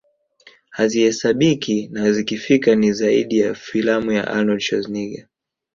hazihesabiki na zikifika ni zaidi ya filamu ya Arnold Schwarzenegger